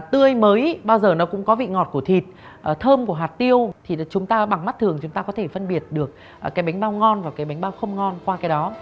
tươi mới bao giờ nó cũng có vị ngọt của thịt thơm của hạt tiêu thì chúng ta bằng mắt thường chúng ta có thể phân biệt được cái bánh bao ngon và cái bánh bao không ngon qua cái đó